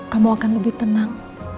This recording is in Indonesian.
kamu akan lebih tenang